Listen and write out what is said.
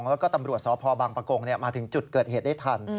แล้วก็ตำรวจสพบางประกงมาถึงจุดเกิดเหตุได้ทัน